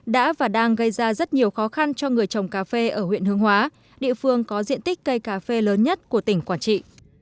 đã và đang gây ra rất nhiều khó khăn cho người trồng cà phê ở huyện hương hóa địa phương có diện tích cây cà phê lớn nhất của tỉnh quảng trị